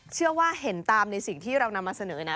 เชื่อว่าเห็นตามในสิ่งที่เรานำมาเสนอนะ